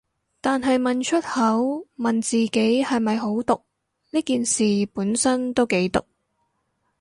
但係問出口，問自己係咪好毒，呢件事本身都幾毒